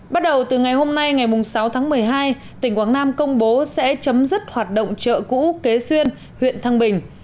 bắt đầu từ ngày hôm nay ngày sáu tháng một mươi hai tỉnh quảng nam công bố sẽ chấm dứt hoạt động chợ cũ kế huyện thăng bình